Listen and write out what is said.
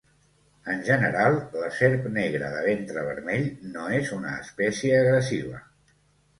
En general la serp negra de ventre vermell no és una espècie agressiva.